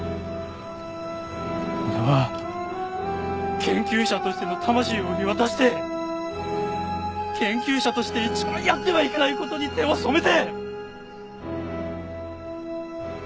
俺は研究者としての魂を売り渡して研究者として一番やってはいけないことに手を染めて